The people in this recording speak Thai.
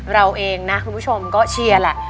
เราเองนะคุณผู้ชมก็เชียร์แหละ